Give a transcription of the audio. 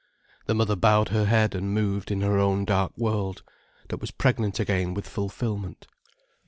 The mother bowed her head and moved in her own dark world, that was pregnant again with fulfilment.